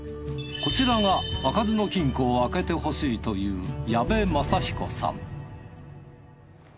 こちらが開かずの金庫を開けてほしいという矢部雅彦さん